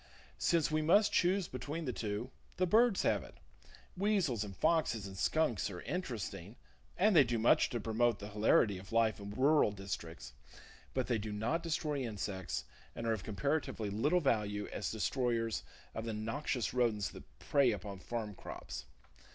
Since we must choose between the two, the birds have it! Weasels and foxes and skunks are interesting, and they do much to promote the hilarity of life in rural districts, but they do not destroy insects, and are of comparatively little value as destroyers of the noxious rodents that prey upon farm crops.